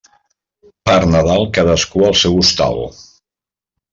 Per Nadal, cadascú al seu hostal.